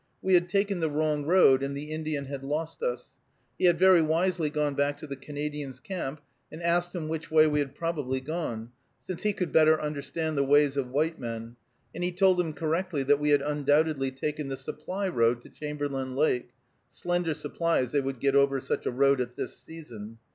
We had taken the wrong road, and the Indian had lost us. He had very wisely gone back to the Canadian's camp, and asked him which way we had probably gone, since he could better understand the ways of white men, and he told him correctly that we had undoubtedly taken the supply road to Chamberlain Lake (slender supplies they would get over such a road at this season).